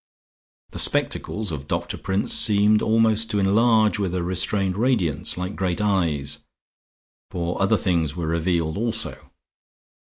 The spectacles of Doctor Prince seemed almost to enlarge with a restrained radiance like great eyes; for other things were revealed also.